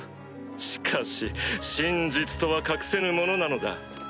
しかし真実とは隠せぬものなのだ。